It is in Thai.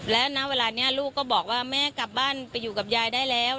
และณเวลานี้ลูกก็บอกว่าแม่กลับบ้านไปอยู่กับยายได้แล้ว